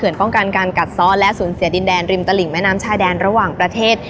ป้องกันการกัดซ้อนและสูญเสียดินแดนริมตลิ่งแม่น้ำชายแดนระหว่างประเทศ